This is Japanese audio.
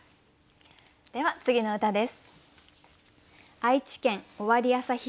では次の歌です。